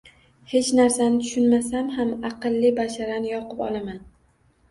- Hech narsani tushunmasam ham, "aqlli bashara"ni yoqib olaman.